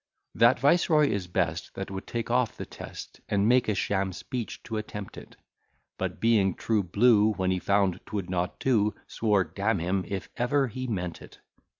That viceroy is best, That would take off the test, And made a sham speech to attempt it; But being true blue, When he found 'twould not do, Swore, damn him, if ever he meant it.